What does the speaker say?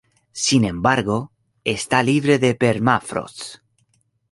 Sin embargo, está libre de permafrost.